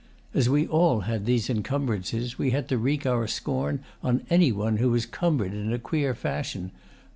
As we all had these encumbrances, we had to wreak our scorn on any one who was cumbered in a queer fashion.